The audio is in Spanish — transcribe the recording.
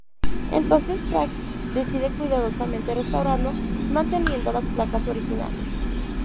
Entonces Frank decide cuidadosamente restaurarlo, manteniendo las placas originales.